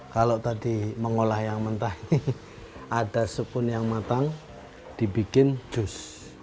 kalau tadi mengolah yang mentah ini ada sukun yang matang dibikin jus